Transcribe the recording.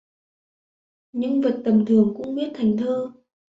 Những vật tầm thường cũng viết thành thơ